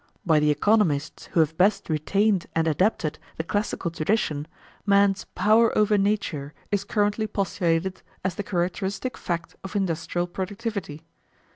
By the economists who have best retained and adapted the classical tradition, man's "power over nature" is currently postulated as the characteristic fact of industrial productivity.